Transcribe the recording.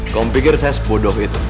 kau pikir saya sebodoh itu